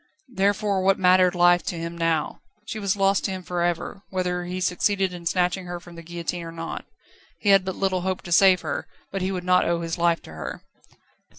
Therefore what mattered life to him now? She was lost to him for ever, whether he succeeded in snatching her from the guillotine or not. He had but little hope to save her, but he would not owe his life to her.